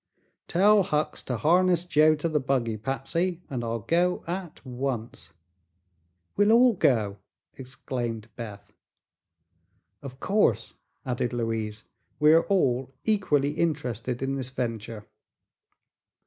Tell Hucks to harness Joe to the buggy, Patsy, and I'll go at once." "We'll all go!" exclaimed Beth. "Of course," added Louise; "we are all equally interested in this venture."